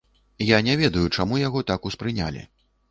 Я не ведаю, чаму так яго ўспрынялі.